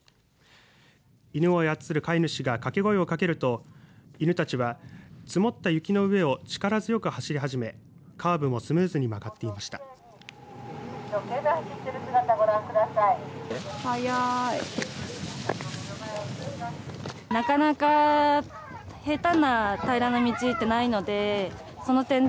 犬を操る飼い主が掛け声をかけると犬たちは積もった雪の上を力強く走り始めカーブもスムーズに曲がっていました。